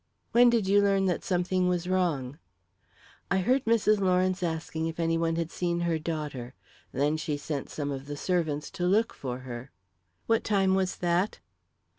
"When did you learn that something was wrong?" "I heard Mrs. Lawrence asking if any one had seen her daughter. Then she sent some of the servants to look for her." "What time was that?"